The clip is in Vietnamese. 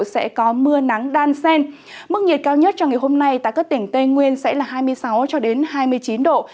sẽ có mưa nắng đan xen mức nhiệt cao nhất cho ngày hôm nay tại các tỉnh tây nguyên sẽ là hai mươi sáu hai mươi chín độ